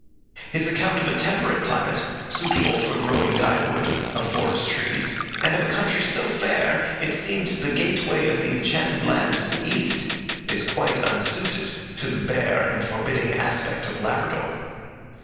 His account of a temperate climate suitable for growing dye wood, of forest trees, and of a country so fair that it seemed the gateway of the enchanted lands of the East, is quite unsuited to the bare and forbidding aspect of Labrador.